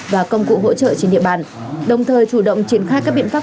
và công cụ hỗ trợ trên địa bàn đồng thời chủ động triển khai các biện pháp